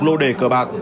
lô đề cờ bạc